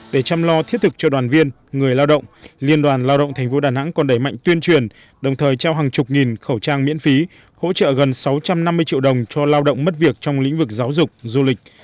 để chăm lo thiết thực cho đoàn viên người lao động liên đoàn lao động tp đà nẵng còn đẩy mạnh tuyên truyền đồng thời trao hàng chục nghìn khẩu trang miễn phí hỗ trợ gần sáu trăm năm mươi triệu đồng cho lao động mất việc trong lĩnh vực giáo dục du lịch